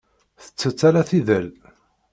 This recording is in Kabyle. Tettett ala tidal.